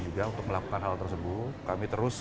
juga untuk melakukan hal tersebut kami terus